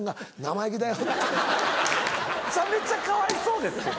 めちゃめちゃかわいそうですけど。